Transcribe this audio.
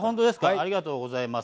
ありがとうございます。